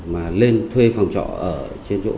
mà lên thuê phòng trọ ở